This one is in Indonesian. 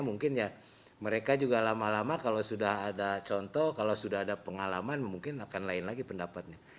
mungkin ya mereka juga lama lama kalau sudah ada contoh kalau sudah ada pengalaman mungkin akan lain lagi pendapatnya